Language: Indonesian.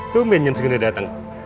lu minum segitu dateng